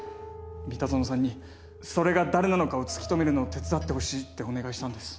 三田園さんにそれが誰なのかを突き止めるのを手伝ってほしいってお願いしたんです。